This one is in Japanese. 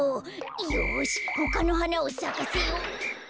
よしほかのはなをさかせよう。